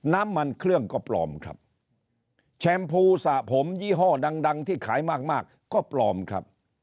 น้ำมันเครื่องก็ปลอมครับแชมพูสระผมยี่ห้อดังดังที่ขายมากมากก็ปลอมครับ